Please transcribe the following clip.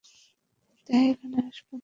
তাই এখানে হাসপাতাল নয়।